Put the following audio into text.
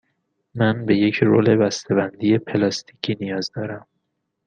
من به یک رول بسته بندی پلاستیکی نیاز دارم.